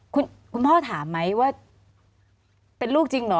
คุณพ่อถามไหมว่าเป็นลูกจริงเหรอ